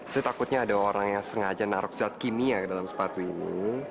saya takutnya ada orang yang sengaja naruh zat kimia ke dalam sepatu ini